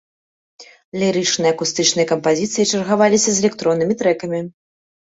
Лірычныя акустычныя кампазіцыі чаргаваліся з электроннымі трэкамі.